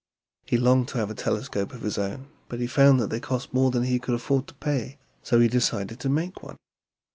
He longed to have a telescope of his own; but he found that they cost more than he could afford to pay, so he decided to make one.